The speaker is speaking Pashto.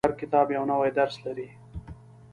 • هر کتاب یو نوی درس لري.